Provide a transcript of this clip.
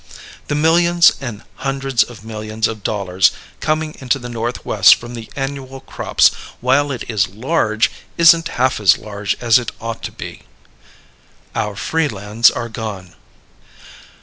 The millions and hundreds of millions of dollars coming into the Northwest from the annual crops, while it is large, isn't half as large as it ought to be. Our Free Lands Are Gone.